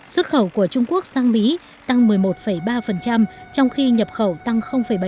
xuất khẩu của trung quốc sang mỹ tăng một mươi một ba trong khi nhập khẩu tăng bảy